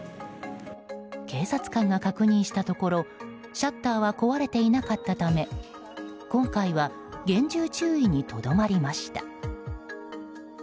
警察官が確認したところシャッターは壊れていなかったため今回は厳重注意にとどまりました。